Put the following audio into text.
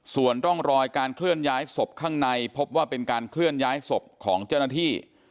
ส่วนร่องรอยการเคลื่อนย้ายศพข้างในพบว่าเป็นการเคลื่อนย้ายศพของเจ้าหน้าที่